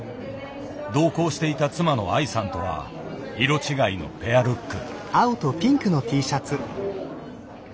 同行していた妻の愛さんとは色違いのペアルック。